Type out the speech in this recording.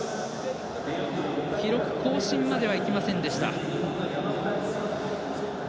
記録更新まではいきませんでした。